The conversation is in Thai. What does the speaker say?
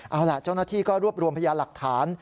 เอาล่ะเจ้าหน้าที่ก็รวบรวมพยานหลักฐาน